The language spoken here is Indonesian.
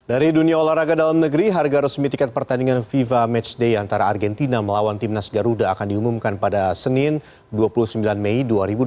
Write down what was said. dari dunia olahraga dalam negeri harga resmi tiket pertandingan fifa matchday antara argentina melawan timnas garuda akan diumumkan pada senin dua puluh sembilan mei dua ribu dua puluh